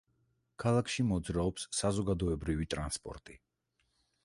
ქალაქში მოძრაობს საზოგადოებრივი ტრანსპორტი.